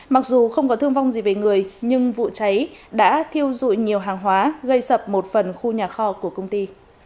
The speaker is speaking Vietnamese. mặc dù không có thương vong gì về người nhưng vụ cháy đã thiêu dụi nhiều hàng hóa gây sập một phần khu nhà kho của công ty